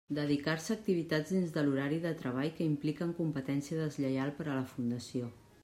Dedicar-se a activitats dins de l'horari de treball que impliquen competència deslleial per a la fundació.